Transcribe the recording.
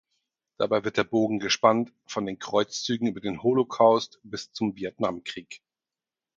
Dabei wird der Bogen gespannt von den Kreuzzügen über den Holocaust bis zum Vietnamkrieg.